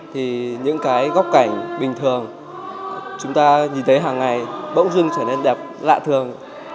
thì những cái góc cảnh bình thường chúng ta nhìn thấy hàng ngày bỗng dưng trở nên đẹp lạ thường